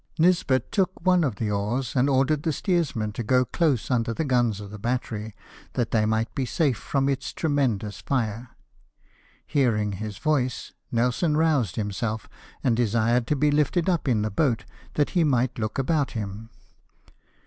Nisbet took one of the oars, and ordered the steersman to go close under the guns of the battery, that they might be safe from its tremendous fire. Hearing his voice, Nelson roused himself, and desired to be lifted up in the boat, that he might look about him.